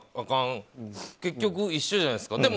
かんって結局、一緒じゃないですか。